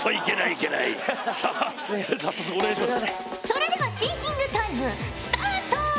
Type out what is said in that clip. それではシンキングタイムスタート！